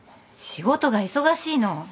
仕事が忙しいの。